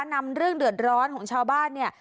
นำเรื่องเดือดร้อนของชาวบ้านเนี่ย